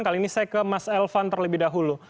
kali ini saya ke mas elvan terlebih dahulu